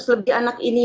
seratus lebih anak ini